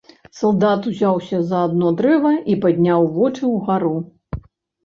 Салдат узяўся за адно дрэва і падняў вочы ўгару.